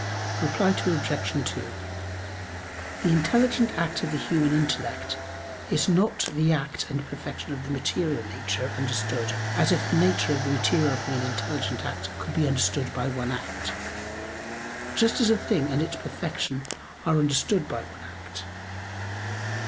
Reply Obj. 2: The intelligent act of the human intellect is not the act and perfection of the material nature understood, as if the nature of the material thing and intelligent act could be understood by one act; just as a thing and its perfection are understood by one act.